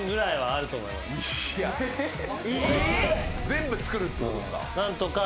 全部作るってことっすか？